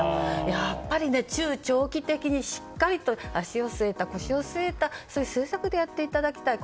やっぱり中長期的にしっかりと足、腰を据えた政策でやっていただきたいと。